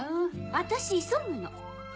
私急ぐの。